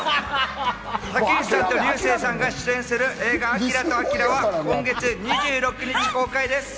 竹内さんと流星さんが出演する映画『アキラとあきら』は今月２６日公開です。